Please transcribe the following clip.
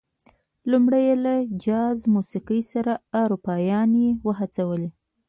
لومړی یې له جاز موسيقۍ سره اروپايانې وهڅولې.